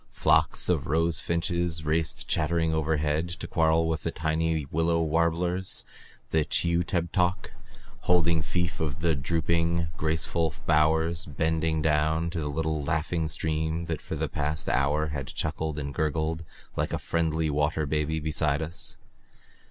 Flocks of rose finches raced chattering overhead to quarrel with the tiny willow warblers, the chi u teb tok, holding fief of the drooping, graceful bowers bending down to the little laughing stream that for the past hour had chuckled and gurgled like a friendly water baby beside us.